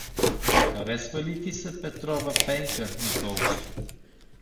А харесва ли ти се Петрова Пенка, Николчо?